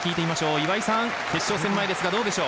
岩井さん決勝戦前ですがどうでしょう？